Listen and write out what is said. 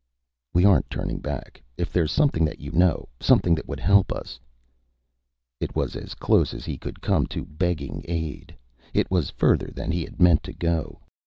"We aren't turning back. If there's something that you know something that would help us...." It was as close as he could come to begging aid. It was further than he had meant to go.